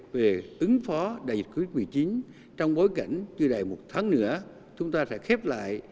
về ứng phó đại dịch covid một mươi chín trong bối cảnh chưa đầy một tháng nữa chúng ta sẽ khép lại